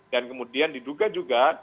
dan kemudian diduga juga